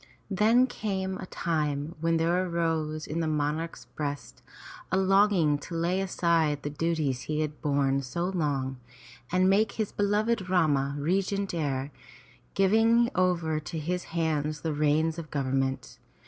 Then came a time when there arose in the monarch's breast a longing to lay aside the duties he had borne so long, and make his beloved Rama regent heir, giving over to his hands the reins of government.